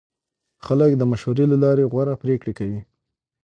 خلک د مشورې له لارې غوره پرېکړې کوي